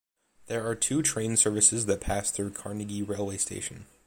There are two train services that pass through Carnegie railway station.